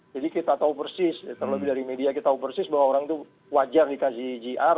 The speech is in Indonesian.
kita tahu persis terlebih dari media kita tahu persis bahwa orang itu wajar dikasih jr